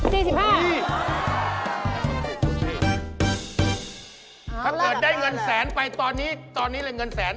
ถ้าเกิดได้เงินแสนไปตอนนี้ตอนนี้เลยเงินแสน